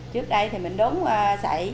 trước đây thì mình đốn xảy